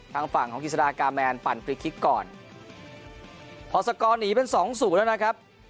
ทางฝั่งของกิศราการแมนฟันคลิกคลิกก่อนพอสกหนีเป็นสองสูงแล้วนะครับ